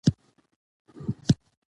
ودې پېژانده.